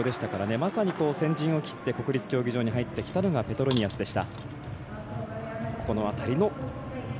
まさに先陣を切って国立競技場に入ってきたのがペトロニアスでした。